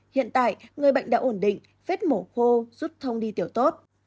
hiện tại người bệnh đã ổn định vết mổ khô rút thông đi tiểu tốt